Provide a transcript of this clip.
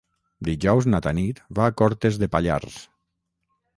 Dijous na Tanit va a Cortes de Pallars.